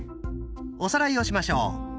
おさらいをしましょう。